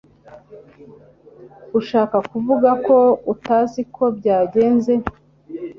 Ushaka kuvuga ko utazi uko byagenze